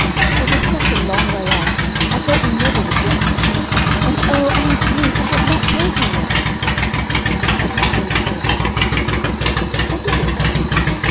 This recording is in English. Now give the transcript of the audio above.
It is such a long way off, I thought we never would get there. And Oh, Aunt Ruth, I have not told you yet" and the chubby face sobered. "What is it, child?"